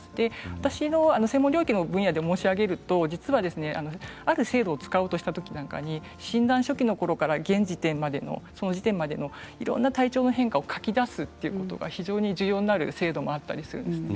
私の専門領域の分野で申し上げるとある制度を使おうとした時に診断初期のころからその時点まではいろいろな体調変化を書き出すということが非常に重要になる制度もあります。